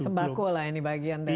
sembako lah ini bagian dari